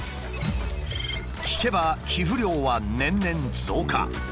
聞けば寄付量は年々増加。